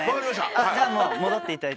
じゃあ戻っていただいて。